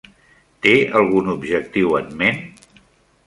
Té algun objectiu en ment?